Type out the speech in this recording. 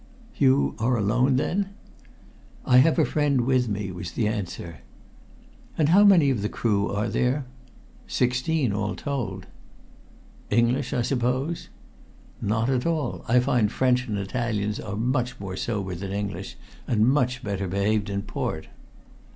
"You are alone, then?" "I have a friend with me," was the answer. "And how many of the crew are there?" "Sixteen, all told." "English, I suppose?" "Not all. I find French and Italians are more sober than English, and better behaved in port."